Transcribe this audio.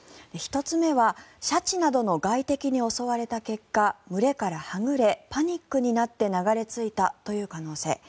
１つ目はシャチなどの外敵に襲われた結果群れからはぐれパニックになって流れ着いたという可能性。